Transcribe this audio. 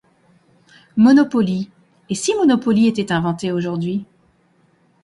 Monopoly Et si Monopoly était inventé aujourd'hui?